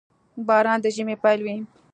• باران د ژمي پيل وي.